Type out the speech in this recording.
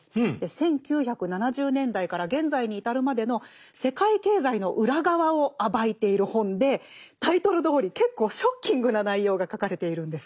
１９７０年代から現在に至るまでの世界経済の裏側を暴いている本でタイトルどおり結構ショッキングな内容が書かれているんですよ。